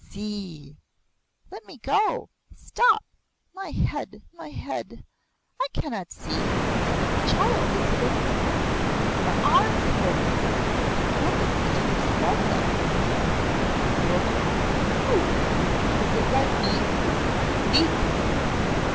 See!" "Let me go. Stop my head my head! I cannot see. The child is hidden. Her arm holds it. A woman stoops above them." "A woman? Who? Is it like me? Speak!